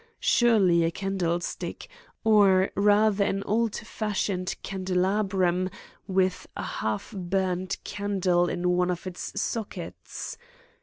Surely a candlestick, or rather an old fashioned candelabrum with a half burned candle in one of its sockets.